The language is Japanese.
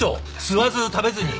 吸わず食べずに。